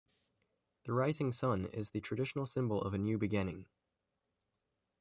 The rising sun is the traditional symbol of a new beginning.